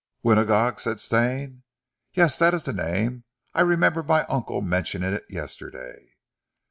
"Winagog?" said Stane. "Yes! That is the name. I remember my uncle mentioning it yesterday."